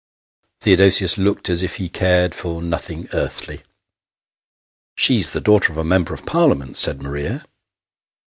Theodosius looked as if he cared for nothing earthly. "She's the daughter of a Member of Parliament," said Maria.